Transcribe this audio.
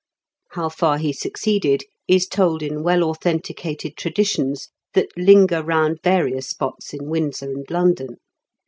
How far he succeeded is told in well authenticated traditions that linger round various spots in Windsor and London.